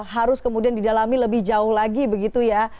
harus kemudian didalami lebih jauh lagi begitu ya